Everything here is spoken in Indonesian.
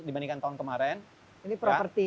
dibandingkan tahun kemarin ini properti